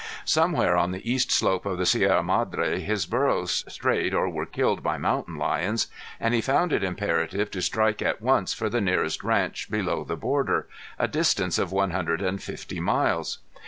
Somewhere on the east slope of the Sierra Madre his burros strayed or were killed by mountain lions, and he found it imperative to strike at once for the nearest ranch below the border, a distance of one hundred and fifty miles.